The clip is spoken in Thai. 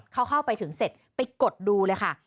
เขาเข้าไปถึงเสร็จไปกดดูเลยค่ะ